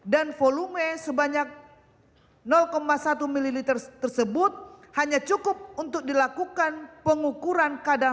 dan volume sebanyak satu mililiter tersebut hanya cukup untuk dilakukan pengukuran